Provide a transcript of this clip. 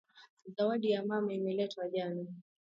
Zawadi ya mama imeletwa jana.